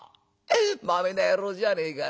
まめな野郎じゃねえか。